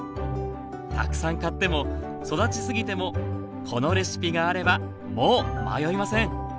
たくさん買っても育ちすぎてもこのレシピがあればもう迷いません！